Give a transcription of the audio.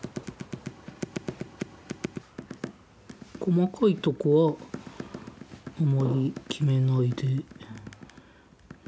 細かいとこはあまり決めないで。